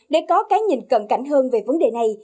để có cái nhìn cận cảnh hơn về vấn đề này